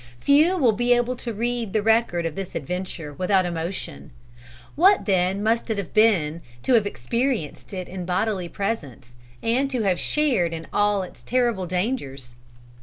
Few will be able to read the record of this adventure without emotion. What then must it have been to have experienced it in bodily presence, and to have shared in all its terrible dangers?